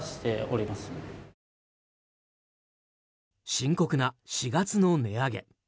深刻な４月の値上げ。